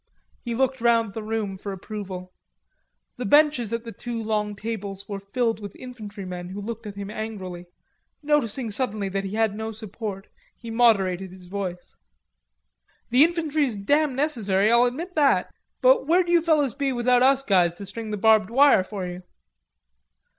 He looked round the room for approval. The benches at the two long tables were filled with infantry men who looked at him angrily. Noticing suddenly that he had no support, he moderated his voice. "The infantry's damn necessary, I'll admit that; but where'd you fellers be without us guys to string the barbed wire for you?"